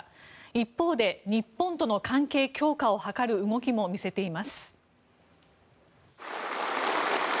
一方で、日本との関係強化を図る動きも見せています。